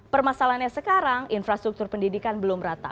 permasalahannya sekarang infrastruktur pendidikan belum rata